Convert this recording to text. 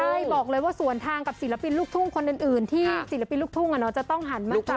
ใช่บอกเลยว่าสวนทางกับศิลปินลูกทุ่งคนอื่นที่ศิลปินลูกทุ่งจะต้องหันมากกว่า